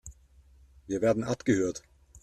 Wir werden abgehört.